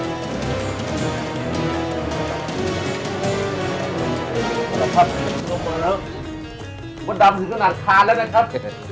มดดำถึงขนาดคานแล้วนะครับมดดำใช้ผ้าคานแล้วนะครับ